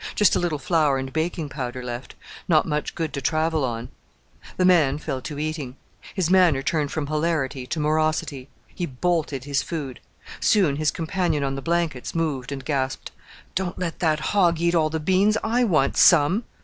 Just a little flour and baking powder left; not much good to travel on." The man fell to eating. His manner turned from hilarity to morosity. He bolted his food. Soon his companion on the blankets moved, and gasped, "Don't let that hog eat all the beans; I want some."